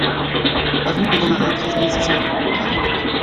Avenue des Romarins, treize mille six cent vingt Carry-le-Rouet